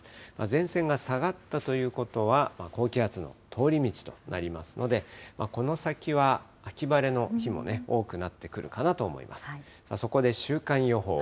前線が下がったということは、高気圧の通り道となりますので、この先は秋晴れの日も多くなってくるかなと思います。